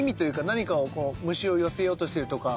何かをこう虫を寄せようとしてるとか？